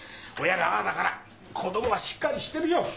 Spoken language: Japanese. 親がああだから子どもはしっかりしてるよ。